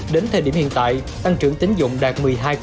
đến thời điểm hiện tại tăng trưởng tín dụng đạt một mươi hai hai